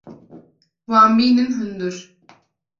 Wan bînin hundir.